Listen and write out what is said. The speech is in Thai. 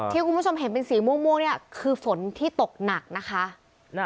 ที่คุณผู้ชมเห็นเป็นสีม่วงเนี่ยคือฝนที่ตกหนักนะคะ